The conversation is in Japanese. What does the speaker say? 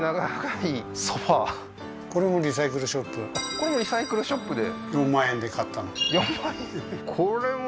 これもリサイクルショップで？